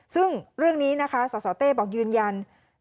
ซึ่งเรื่องนี้นะคะสสเต้บอกยืนยัน